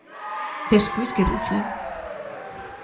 Despois quedou cego.